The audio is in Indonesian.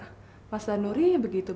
namaku bisa ajak dengan tiga f terus